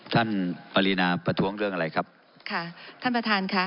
ปรินาประท้วงเรื่องอะไรครับค่ะท่านประธานค่ะ